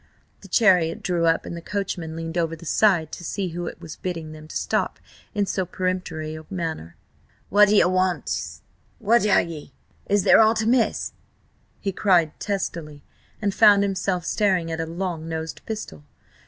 The chariot drew up and the coachman leaned over the side to see who it was bidding them to stop in so peremptory a manner. "What d'ye want7 Who are ye? Is there aught amiss?" he cried testily, and found himself staring at a long nosed pistol.